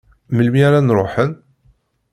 Melmi ara n-ruḥen?